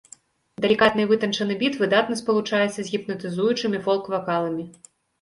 Далікатны і вытанчаны біт выдатна спалучаецца з гіпнатызуючымі фолк-вакаламі.